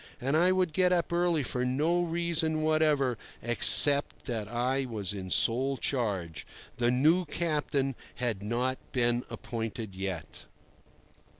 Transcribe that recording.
And I would get up early for no reason whatever except that I was in sole charge. The new captain had not been appointed yet.